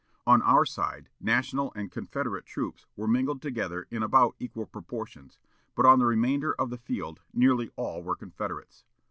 On our side national and Confederate troops were mingled together in about equal proportions; but on the remainder of the field nearly all were Confederates.